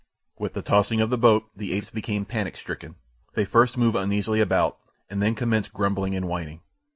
With the tossing of the boat the apes became panic stricken. They first moved uneasily about, and then commenced grumbling and whining.